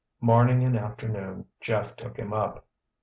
Morning and afternoon Jeff took him up.